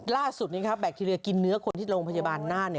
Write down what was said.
ล่าสุดนี้ครับแบคทีเรียกินเนื้อคนที่โรงพยาบาลนานเนี่ย